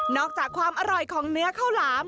อกจากความอร่อยของเนื้อข้าวหลาม